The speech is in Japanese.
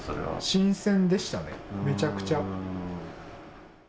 新鮮でしたね、めちゃくちゃ。